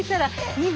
２番！